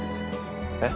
えっ？